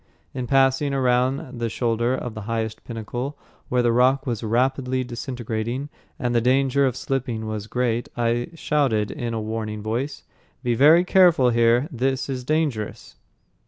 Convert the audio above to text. In passing around the shoulder of the highest pinnacle, where the rock was rapidly disintegrating and the danger of slipping was great, I shouted in a warning voice, "Be very careful here, this is dangerous."